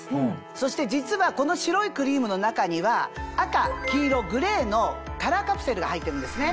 そして実はこの白いクリームの中には赤黄色グレーのカラーカプセルが入ってるんですね。